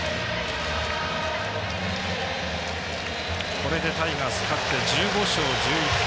これでタイガース勝って１５勝１１敗。